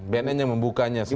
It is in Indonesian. bnn yang membukanya sendiri